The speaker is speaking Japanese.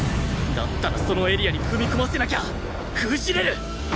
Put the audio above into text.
だったらそのエリアに踏み込ませなきゃ封じれる！